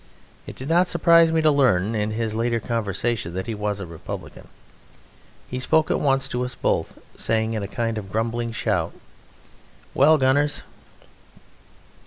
It did not surprise me to learn in his later conversation that he was a Republican. He spoke at once to us both, saying in a kind of grumbling shout: "Well, gunners!"